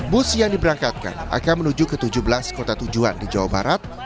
bus yang diberangkatkan akan menuju ke tujuh belas kota tujuan di jawa barat